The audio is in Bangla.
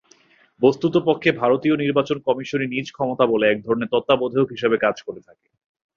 বস্তুতপক্ষে, ভারতীয় নির্বাচন কমিশনই নিজ ক্ষমতাবলে একধরনের তত্ত্বাবধায়ক হিসেবে কাজ করে থাকে।